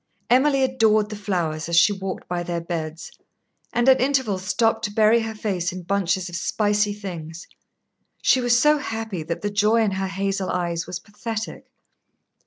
Emily adored the flowers as she walked by their beds, and at intervals stopped to bury her face in bunches of spicy things. She was so happy that the joy in her hazel eyes was pathetic.